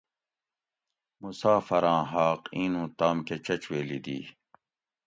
مسافراں حاق اینوں تام کہ چچ ویلی دی